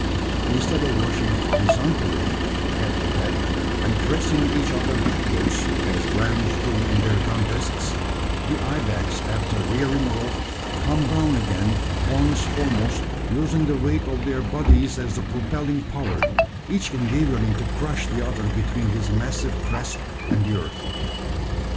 Instead of rushing horizontally, head to head, and pressing each other backwards, as rams do in their contests, the ibex after rearing aloft, come down again, horns foremost, using the weight of their bodies as the propelling power, each endeavouring to crush the other between his massive crest and the earth.